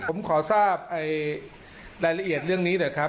ผมขอทราบรายละเอียดเรื่องนี้หน่อยครับ